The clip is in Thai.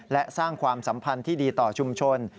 และสร้างความสัมพันธ์ที่ดีต่อชุมชน